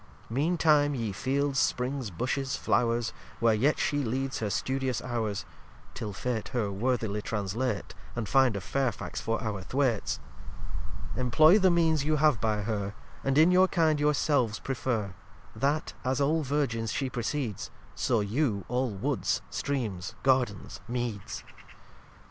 xciv Mean time ye Fields, Springs, Bushes, Flow'rs, Where yet She leads her studious Hours, (Till Fate her worthily translates, And find a Fairfax for our Thwaites) Employ the means you have by Her, And in your kind your selves preferr; That, as all Virgins She preceds, So you all Woods, Streams, Gardens, Meads.